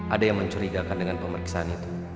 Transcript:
ada yang mencurigakan dengan pemeriksaan itu